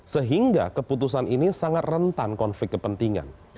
sehingga keputusan ini sangat rentan konflik kepentingan